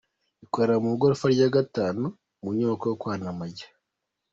Ikorera mu igorofa ya Gatatu, mu nyubako yo kwa Ndamage.